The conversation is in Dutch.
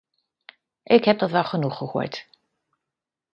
Ik heb dat wel genoeg gehoord.